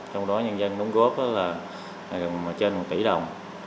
trong đó nhân dân đúng góp gần một tỷ đồng